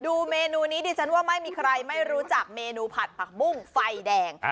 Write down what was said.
เมนูนี้ดิฉันว่าไม่มีใครไม่รู้จักเมนูผัดผักบุ้งไฟแดง